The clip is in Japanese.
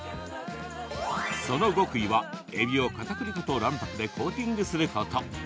その極意はえびを、かたくり粉と卵白でコーティングすること。